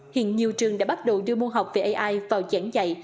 hiện nhiều trường đã bắt đầu đưa môn học về ai vào giảng dạy